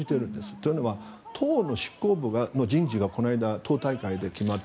というのは党の執行部の人事がこの間、党大会で決まった。